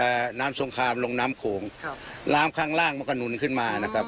น้ำสงครามลงน้ำโขงครับน้ำข้างล่างมันก็หนุนขึ้นมานะครับ